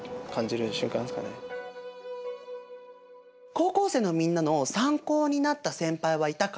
高校生のみんなの参考になった先輩はいたかな？